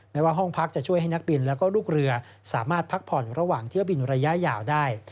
ว่าห้องพักจะช่วยให้นักบินและลูกเรือสามารถพักผ่อนระหว่างเที่ยวบินระยะยาวได้